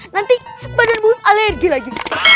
nanti badan boim alergi lagi